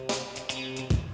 tunggu tunggu tunggu yang lain